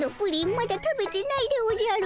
まだ食べてないでおじゃる。